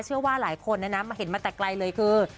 เชื่อว่าหลายคนนะนะมาเห็นมาแต่ไกลเลยคือ